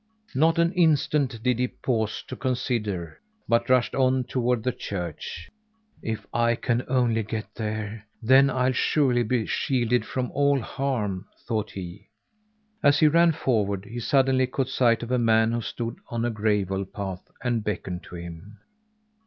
Not an instant did he pause to consider, but rushed on toward the church. "If I can only get there, then I'll surely be shielded from all harm," thought he. As he ran forward, he suddenly caught sight of a man who stood on a gravel path and beckoned to him.